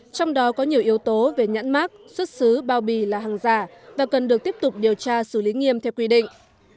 trong đó có nhiều yếu tố về nhãn mát xuất xứ bao bì là hàng giả và cần được tiếp tục điều tra xử lý nghiêm theo quy định